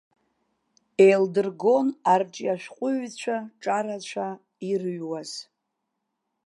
Еилдыргон арҿиашәҟәыҩҩцәа ҿарацәа ирыҩуаз.